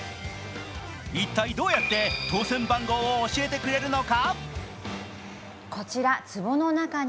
一体、どうやって当選番号を教えてくれるのか？